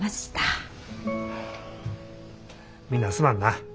みんなすまんな。